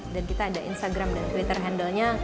dan kita ada instagram dan twitter handle nya